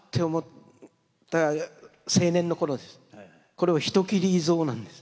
これは「人斬り以蔵」なんです。